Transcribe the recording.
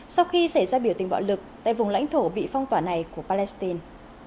sau khi xảy ra biểu tình bạo lực tại vùng lãnh thổ bị phong tỏa này của palestine